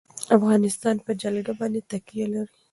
افغانستان په جلګه باندې تکیه لري.